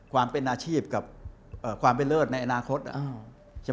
ความเป็นอาชีพกับความเป็นเลิศในอนาคต